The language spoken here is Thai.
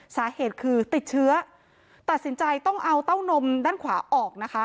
สาเหตุคือติดเชื้อตัดสินใจต้องเอาเต้านมด้านขวาออกนะคะ